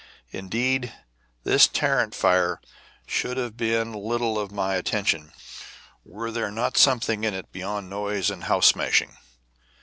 Indeed, this Tarrant fire should have but little of my attention were there not something in it beyond noise and house smashing.